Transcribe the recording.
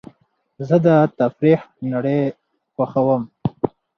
زه د تفریح نړۍ خوښوم.